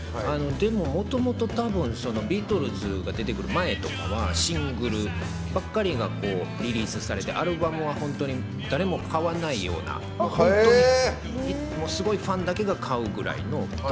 でも、もともと多分ビートルズが出てくる前とかはシングルばっかりがリリースされてアルバムは本当に誰も買わないような本当にすごいファンだけが買うぐらいの。